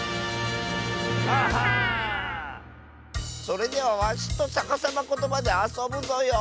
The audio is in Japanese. それではわしとさかさまことばであそぶぞよ。